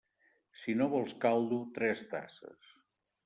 Si no vols caldo, tres tasses.